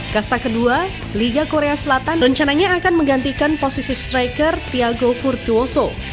kasta kedua liga korea selatan rencananya akan menggantikan posisi striker thiago furtuoso